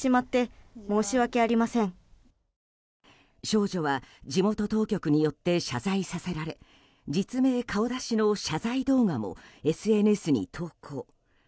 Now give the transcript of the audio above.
少女は地元当局によって謝罪させられ実名・顔出しの謝罪動画もＳＮＳに投稿。